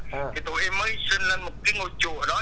thì tụi em mới sinh lên một cái ngôi chùa đó